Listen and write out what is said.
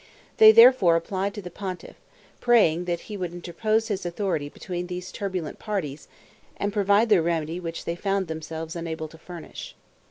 They therefore applied to the pontiff, praying that he would interpose his authority between these turbulent parties, and provide the remedy which they found themselves unable to furnish.